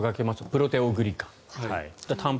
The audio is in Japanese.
プロテオグリカン。